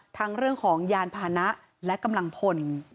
เรื่องของยานพานะและกำลังพล